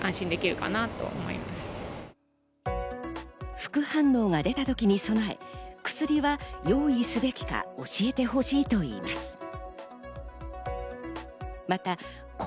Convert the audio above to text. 副反応が出た時に備え、薬は用意すべきか教えてほしいと言います。